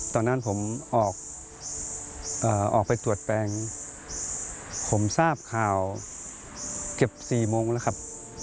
ตอนนั้นผมออกไปตรวจแปลงผมทราบข่าวเกือบ๔โมงแล้วครับ